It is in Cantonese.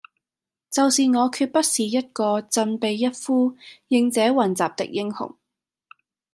就是我決不是一個振臂一呼應者雲集的英雄。